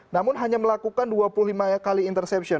namun hanya melakukan dua puluh lima kali interception